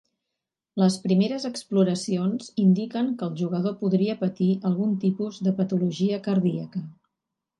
Les primeres exploracions indiquen que el jugador podria patir algun tipus de patologia cardíaca.